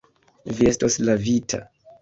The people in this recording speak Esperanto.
Vi estos lavita.